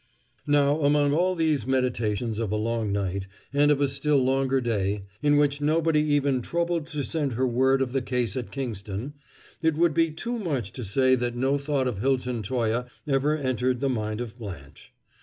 Now among all these meditations of a long night, and of a still longer day, in which nobody even troubled to send her word of the case at Kingston, it would be too much to say that no thought of Hilton Toye ever entered the mind of Blanche.